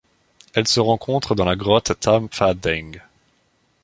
Elle se rencontre dans la grotte Tham Pha Daeng.